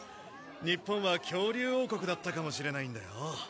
日本は恐竜王国だったかもしれないんだよ。